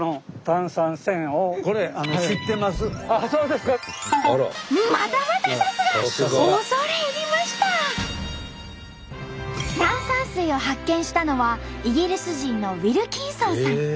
炭酸水を発見したのはイギリス人のウィルキンソンさん。